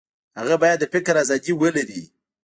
هغه باید د فکر ازادي ولري.